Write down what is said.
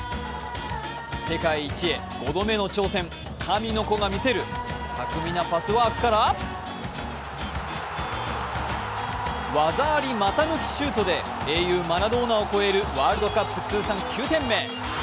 世界一へ５度目の挑戦、神の子が見せる巧みなパスワークから、技あり股抜きシュートで英雄・マラドーナを超えるワールドカップ通算９点目。